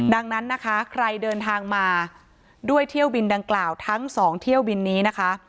ดังนั้นนะคะใครเดินทางมาด้วยเที่ยวบินดังกล่าวทั้งสองเที่ยวบินนี้นะคะ